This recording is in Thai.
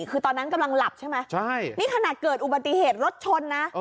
คือตอนนั้นกำลังหลับใช่ไหมใช่นี่ขนาดเกิดอุบัติเหตุรถชนนะ